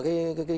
cái cơ quan